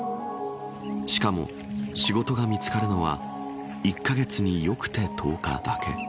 しかも仕事が見つかるのは１カ月に、よくて１０日だけ。